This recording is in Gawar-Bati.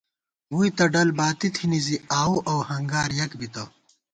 ووئی تہ ڈل باتی تھنی زی آؤو اؤ ہنگار یَک بِتہ